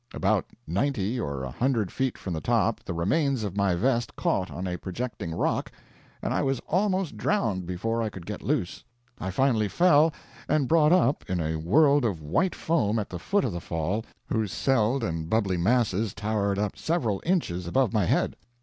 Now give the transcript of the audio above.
About ninety or a hundred feet from the top, the remains of my vest caught on a projecting rock, and I was almost drowned before I could get loose. I finally fell, and brought up in a world of white foam at the foot of the Fall, whose celled and bubbly masses towered up several inches above my head.